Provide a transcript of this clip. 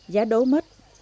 gia đố mất